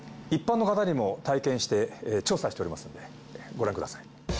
一般の方にも体験して調査しておりますのでご覧ください。